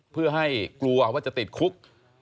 เพื่อให้กลัวว่าจะติดคุก